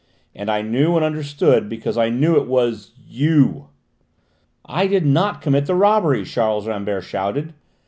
And I knew and understood because I knew it was you!" "I did not commit the robbery," Charles Rambert shouted.